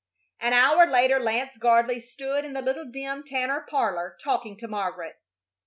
An hour later Lance Gardley stood in the little dim Tanner parlor, talking to Margaret.